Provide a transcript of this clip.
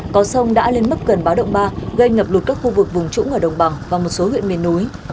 có sông đã lên mức gần báo động ba gây ngập lụt các khu vực vùng trũng ở đồng bằng và một số huyện miền núi